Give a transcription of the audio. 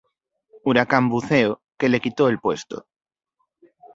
Huracán Buceo, que le quitó el puesto.